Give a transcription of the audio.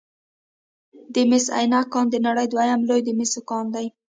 د مس عینک کان د نړۍ دویم لوی د مسو کان دی